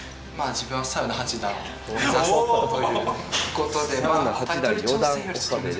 自分は「サウナ八段」を目指すということで「サウナ八段四段岡部怜央」。